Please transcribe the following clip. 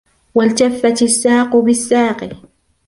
وَالْتَفَّتِ السَّاقُ بِالسَّاقِ